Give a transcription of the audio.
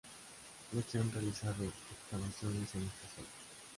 No se han realizado excavaciones en esta zona.